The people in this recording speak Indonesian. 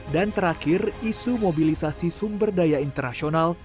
dan terakhir isu mobilisasi sumber daya internasional